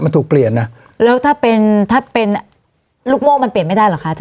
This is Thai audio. มันถูกเปลี่ยนนะแล้วถ้าเป็นถ้าเป็นลูกโม่มันเปลี่ยนไม่ได้เหรอคะอาจา